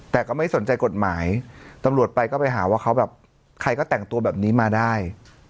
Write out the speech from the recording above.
แต่ก็ไม่สนใจกฎหมายตำรวจไปก็ไปหาว่าเขาแบบใครก็แต่งตัวแบบนี้มาได้